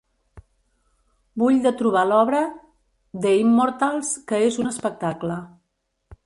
Vull de trobar l'obra The Immortals que és un espectacle